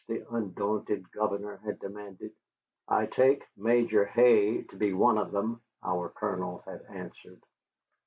the undaunted governor had demanded. "I take Major Hay to be one of them," our Colonel had answered.